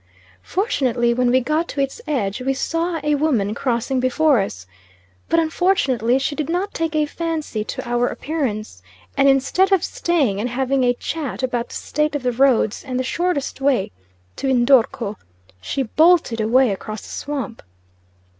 Fortunately when we got to its edge we saw a woman crossing before us, but unfortunately she did not take a fancy to our appearance, and instead of staying and having a chat about the state of the roads, and the shortest way to N'dorko, she bolted away across the swamp.